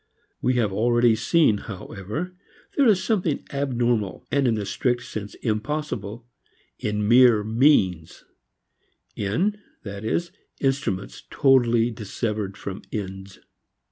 We have already seen, however, there is something abnormal and in the strict sense impossible in mere means, in, that is, instruments totally dissevered from ends.